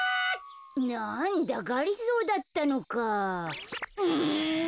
なんだがりぞーだったのか。